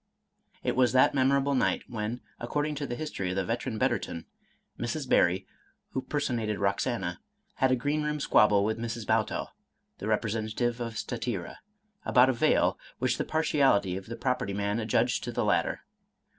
It was that memorable night, when, according to the history of the veteran Betterton,^ Mrs. Barry, who person ated Roxana, had a green room squabble with Mrs. Bow tell, the representative of Statira, about a veil, which the partiality of the property man adjudged to the latter.